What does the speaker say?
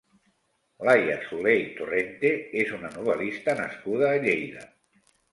Laia Soler i Torrente és una novel·lista nascuda a Lleida.